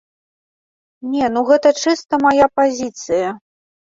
Не, ну гэта чыста мая пазіцыя.